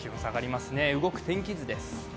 動く天気図です。